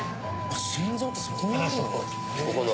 心臓ってそこにあるの？